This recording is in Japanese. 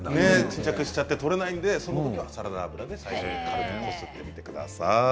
沈着しちゃって取れないんでそのときはサラダ油で軽くこすってみてください。